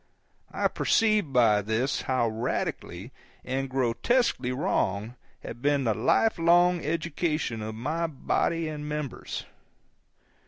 I perceived by this how radically and grotesquely wrong had been the life long education of my body and members.